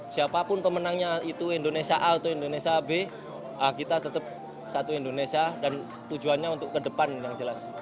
siapapun pemenangnya itu indonesia a atau indonesia b kita tetap satu indonesia dan tujuannya untuk ke depan yang jelas